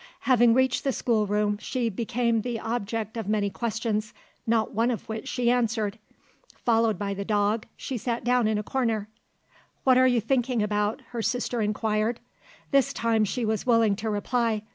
Having reached the schoolroom, she became the object of many questions not one of which she answered. Followed by the dog, she sat down in a corner. "What are you thinking about?" her sister inquired. This time she was willing to reply.